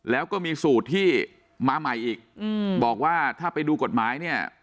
แล้วก็มีสูตรที่มาใหม่อีกบอกว่าถ้าไปดูกฎหมายเนี่ย